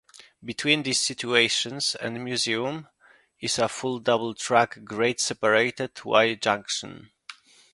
Between these stations and Museum is a full double-track, grade-separated wye junction.